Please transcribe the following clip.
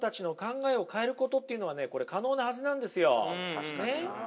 確かにな。